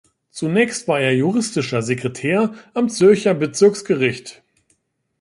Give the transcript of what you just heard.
Zunächst war er juristischer Sekretär am Zürcher Bezirksgericht.